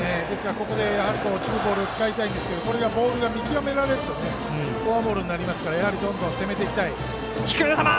ここで落ちるボールを使いたいんですが見極められるとフォアボールになりますから見極めていきたい。